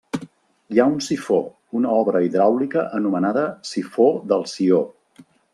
Hi ha un sifó, una obra hidràulica anomenada Sifó del Sió.